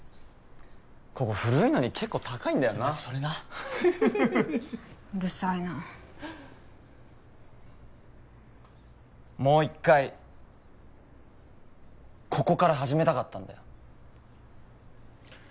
ここ古いのに結構高いんだよなそれなフフフフうるさいなもう一回ここから始めたかったんだよ